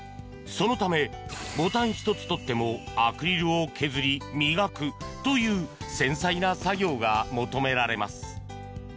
そのため、ボタン１つ取ってもアクリルを削り、磨くという繊細な作業が求められます。